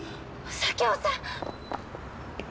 佐京さん！